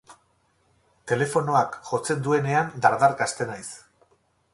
Telefonoak jotzen duenean dardarka hasten naiz.